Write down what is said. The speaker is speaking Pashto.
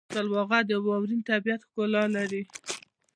سلواغه د واورین طبیعت ښکلا لري.